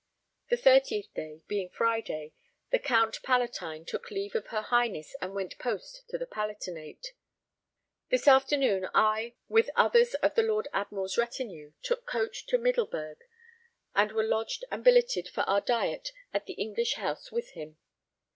The 30th day, being Friday, the Count Palatine took leave of her Highness and went post to the Palatinate. This afternoon I, with others of the Lord Admiral's retinue, took coach to Middelburg and were lodged and billeted for our diet at the English house with him.